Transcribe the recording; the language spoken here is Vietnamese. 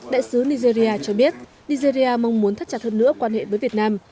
đại sứ nigeria cho biết nigeria mong muốn thắt chặt hơn nữa quan hệ với việt nam